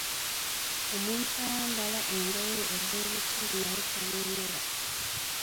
Omuntu ayambala engoye ez’ebituli naye tannyumira.